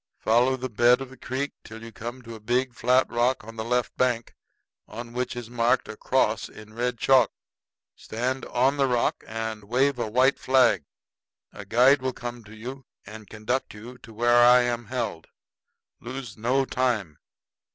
Follow the bed of the creek till you come to a big flat rock on the left bank, on which is marked a cross in red chalk. Stand on the rock and wave a white flag. A guide will come to you and conduct you to where I am held. Lose no time.